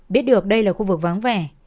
biết được đây là khu vực vắng vẻ